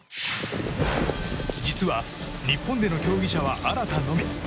実は、日本での競技者は荒田のみ。